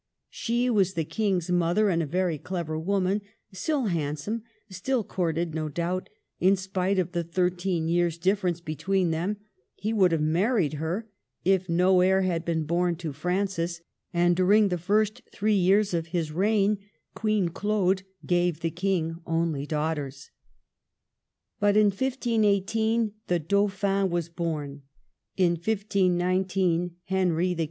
She was the King's mother and a very clever woman, still handsome, still courted ; no doubt, in spite of the thirteen years difference between them, he would have married her if no heir had been born to Francis, and during the first three years of his reign Queen Claude gave the King only daughters. But in 15 18 the Dauphin was born, in 1519 Henry, the 68 MARGARET OF ANGOULEME.